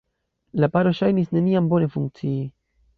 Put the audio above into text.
La paro ŝajnis neniam bone funkcii.